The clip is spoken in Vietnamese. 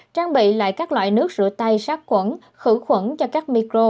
trang bị lại các loại nước rửa tay sát quẩn khử khuẩn cho các micro